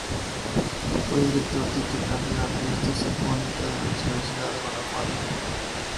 Fue director titular de la Orquesta Sinfónica de la Universidad de Guanajuato.